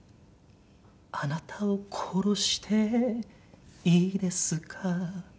「あなたを殺していいですか」